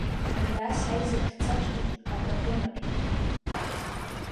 Алиас аизарахь дцаҵәҟьеит апроблематә…